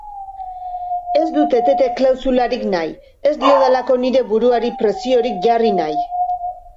Ez dut etete-klausularik nahi ez diodalako nire buruari preziorik jarri nahi.